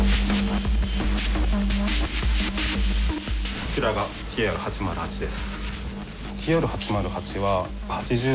こちらがＴＲー８０８です。